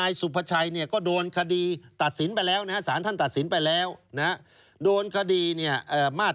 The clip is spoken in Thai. แทบจะทุกอย่างเลยครับ